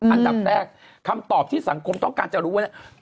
อันดับแรกคำตอบที่สังคมต้องการจะรู้